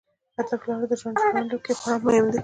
هدف لرل د ژوند جوړونې کې خورا مهم دی.